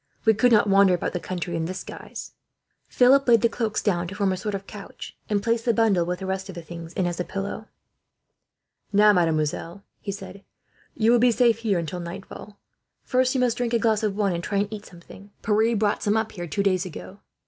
We could not wander about the country, in this guise." Philip laid the cloaks down to form a sort of couch; and placed the bundle, with the rest of the things in, as a pillow. "Now, mademoiselle," he said, "you will be safe here until nightfall. First you must drink a glass of wine, and try and eat something. Pierre brought some up here, two days ago.